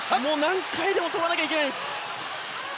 何回でも跳ばないといけないです。